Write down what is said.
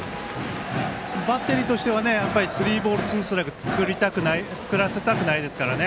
バッテリーとしてはスリーボール、ツーストライクを作らせたくないですからね。